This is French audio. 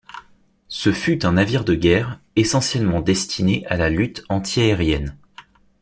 Ce fut un navire de guerre essentiellement destiné à la lutte anti-aérienne.